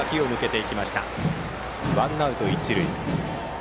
ワンアウト、一塁。